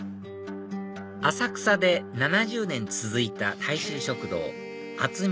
浅草で７０年続いた大衆食堂阿つみ